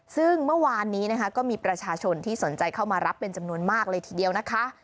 ซึ่งเมื่อวานนี้นะคะก็มีประชาชนที่สนใจเข้ามารับเป็นจำนวนมากเลยทีเดียวนะคะ